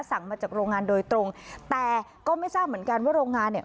สั่งมาจากโรงงานโดยตรงแต่ก็ไม่ทราบเหมือนกันว่าโรงงานเนี่ย